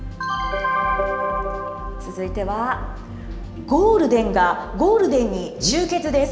続いては、ゴールデンがゴールデンに集結です。